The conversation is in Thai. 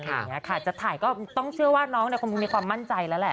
อยากจะถ่ายก็ต้องเชื่อว่าน้องมีความมั่นใจแล้วแหละ